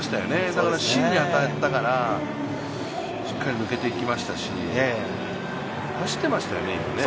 だから芯に当たったからしっかり抜けていきましたし、走ってましたよね、今。